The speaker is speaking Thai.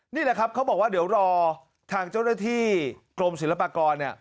นี่แหละครับเขาบอกว่าเดี๋ยวรอทางเจ้าหน้าที่กรมศิลปากรเนี่ย